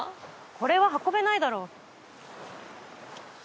これは運べないだろ。